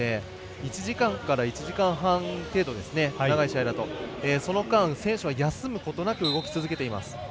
１時間から１時間半程度ですね長い試合だと、その間選手は休むことなく動き続けています。